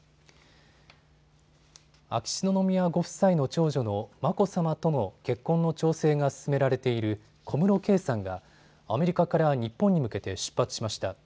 秋篠宮ご夫妻の長女の眞子さまとの結婚の調整が進められている小室圭さんがアメリカから日本に向けて出発しました。